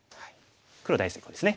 黒大成功ですね。